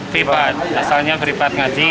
pripat asalnya pripat ngaji